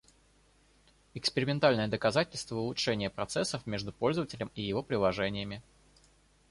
Экспериментальное доказательство улучшения процессов между пользователем и его приложениями.